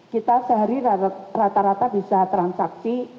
kita sehari rata rata bisa transaksi